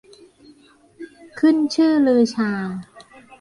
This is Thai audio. ขึ้นชื่อลือชา